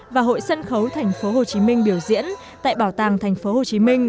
và hội sân khấu tp hcm biểu diễn tại bảo tàng tp hcm